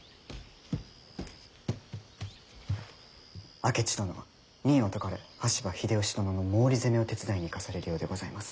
明智殿任を解かれ羽柴秀吉殿の毛利攻めを手伝いに行かされるようでございます。